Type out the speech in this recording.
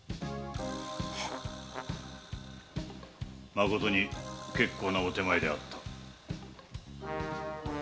まことに結構なお点前であった。